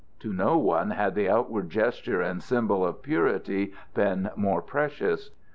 To no one had the outward gesture and symbol of purity been more precious.